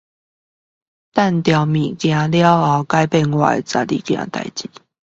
丟東西後改變我的十二件事